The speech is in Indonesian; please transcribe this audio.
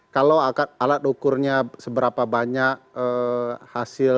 kalau alat ukurnya seberapa banyak hasil